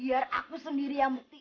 biar aku sendiri yang mau buktiin